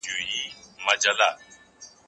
زه اوږده وخت سندري اورم وم؟